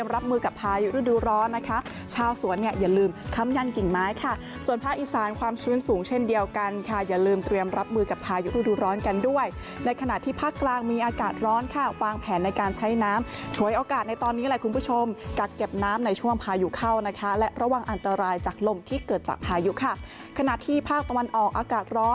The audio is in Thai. รับมือกับพายุฤดูร้อนนะคะชาวสวนเนี่ยอย่าลืมค้ำยันกิ่งไม้ค่ะส่วนภาคอีสานความชื้นสูงเช่นเดียวกันค่ะอย่าลืมเตรียมรับมือกับพายุฤดูร้อนกันด้วยในขณะที่ภาคกลางมีอากาศร้อนค่ะวางแผนในการใช้น้ำฉวยโอกาสในตอนนี้แหละคุณผู้ชมกักเก็บน้ำในช่วงพายุเข้านะคะและระวังอันตรายจากลมที่เกิดจากพายุค่ะขณะที่ภาคตะวันออกอากาศร้อ